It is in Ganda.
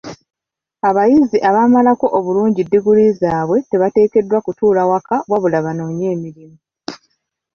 Abayizi abamalako obulungi ddiguli zaabwe tebateekeddwa kutuula waka wabula banoonye emirimu.